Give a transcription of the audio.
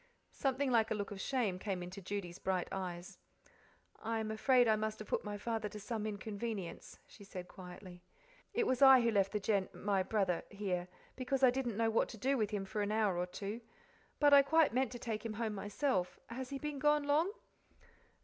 Something like a look of shame came into Judy's bright eyes, "I am afraid I must have put my father to some inconvenience," she said quietly. "It was I who left the Gen my brother here, because I didn't know what to do with him for an hour or two. But I quite meant to take him home myself. Has he been gone long?"